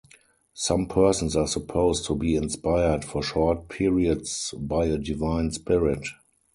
Some persons are supposed to be inspired for short periods by a divine spirit.